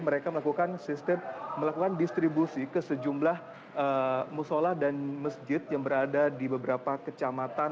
mereka melakukan sistem melakukan distribusi ke sejumlah musola dan masjid yang berada di beberapa kecamatan